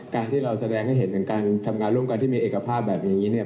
การที่เราแสดงให้เห็นถึงการทำงานร่วมกันที่มีเอกภาพแบบนี้เนี่ย